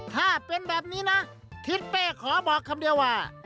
ถ้าเป็นแบบนี้นะทิศเป้ขอบอกคำเดียวว่า